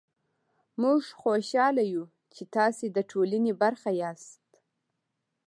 موژ خوشحاله يو چې تاسې ده ټولني برخه ياست